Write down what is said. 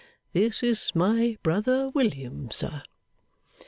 This is my brother William, sir.